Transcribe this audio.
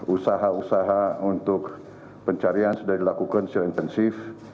usaha usaha untuk pencarian sudah dilakukan secara intensif